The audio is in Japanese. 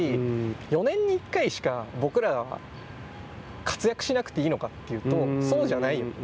４年に１回しか僕らは活躍しなくていいのかというとそうじゃないよと。